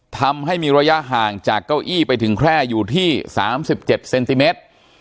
ทำให้มีระยะห่างจากเก้าอี้ไปถึงแคร่อยู่ที่๓๗เซนติเมตร